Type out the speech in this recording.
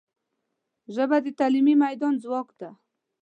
ژبه د تعلیمي میدان ځواک ده